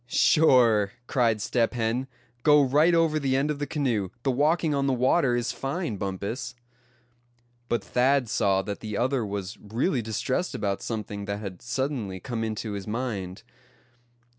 "Sure," cried Step Hen, "go right over the end of the canoe; the walking on the water is fine, Bumpus." But Thad saw that the other was really distressed about something that had suddenly come into his mind.